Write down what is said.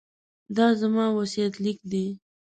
دا زما وصیت لیک دی.